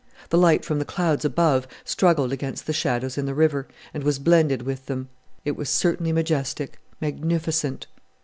The light from the clouds above struggled against the shadows in the river, and was blended with them. It was certainly majestic, magnificent!